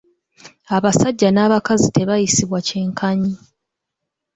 Abasajja n'abakazi tebayisibwa kyenkanyi.